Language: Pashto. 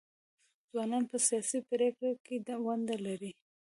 ځوانان په سیاسي پریکړو کې ونډه لري.